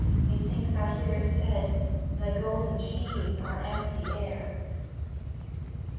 methinks I hear it said, "Thy golden sheaves are empty air."